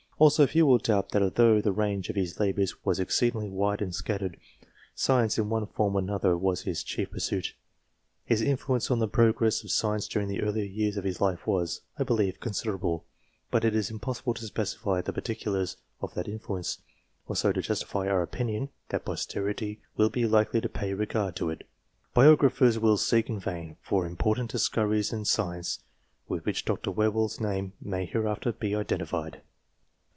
Also, few will doubt that, although the range of his labours was exceedingly wide and scattered, Science in one form or another was his chief pursuit, His influence on the progress of Science during the earlier years of his life was, I believe, considerable, but it is impossible to specify the particulars of that influence, or so to justify our opinion that posterity will be likely to pay regard to it. Biographers will seek in vain for important discoveries in Science, with which Dr. Whewell's name may hereafter be Jdentified.